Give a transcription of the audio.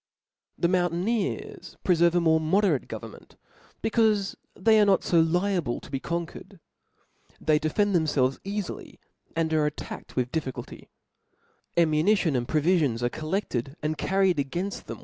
The mourttaneers preferve a mpre moderate go Irernmenf, becaufe they are not fo liable to be con tjuered. They defend themfelves eafily, and aref attacked with difficulty ; ammunition and pro iriiions are coUedled and carried againft them with Vo L.